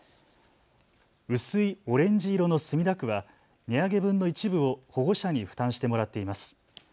薄いオレンジ色の墨田区は値上げ分の一部を保護者に負担してもらっています。